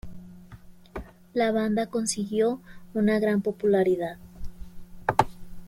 La banda consiguió una gran popularidad.